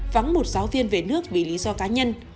vắng một giáo viên về nước vì lý do cá nhân